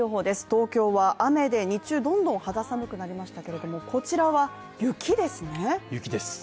東京は雨で日中どんどん肌寒くなりましたけれども、こちらは雪ですね。